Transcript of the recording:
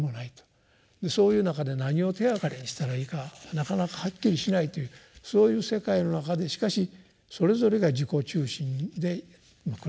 そういう中で何を手がかりにしたらいいかなかなかはっきりしないというそういう世界の中でしかしそれぞれが自己中心で暮らしている。